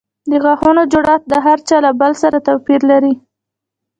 د غاښونو جوړښت د هر چا له بل سره توپیر لري.